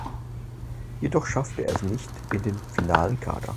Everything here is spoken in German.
Jedoch schaffte er es nicht in den finalen Kader.